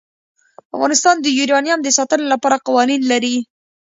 افغانستان د یورانیم د ساتنې لپاره قوانین لري.